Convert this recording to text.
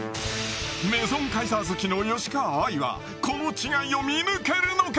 メゾンカイザー好きの吉川愛はこの違いを見抜けるのか？